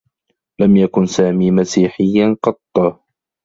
لم يكن سامي مسيحيّا قطّ.